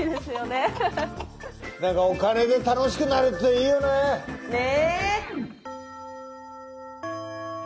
なんかお金で楽しくなるっていいよね。ね。